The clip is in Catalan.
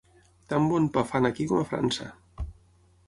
Tan bon pa fan aquí com a França.